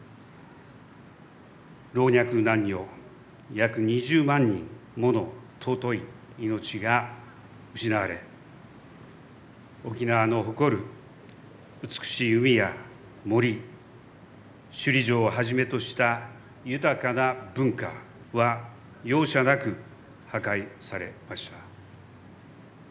老若男女、約２０万人もの尊い命が失われ沖縄の誇る美しい海や森首里城をはじめとした豊かな文化は容赦なく破壊されました。